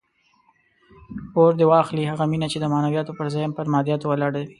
اور دې واخلي هغه مینه چې د معنویاتو پر ځای پر مادیاتو ولاړه وي.